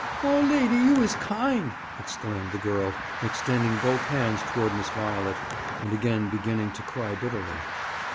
'Oh, lady, you is kind!' exclaimed the girl, extending both hands towards Miss Violet, and again beginning to cry bitterly.